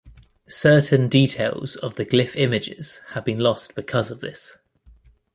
Certain details of the glyph images have been lost because of this.